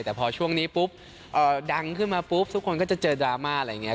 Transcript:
แต่พอช่วงนี้ปุ๊บดังขึ้นมาปุ๊บทุกคนก็จะเจอดราม่าอะไรอย่างนี้